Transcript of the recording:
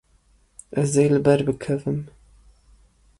Ez ê li ber bikevim.